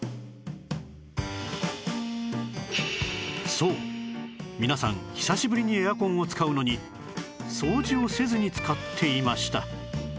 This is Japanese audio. そう皆さん久しぶりにエアコンを使うのに掃除をせずに使っていました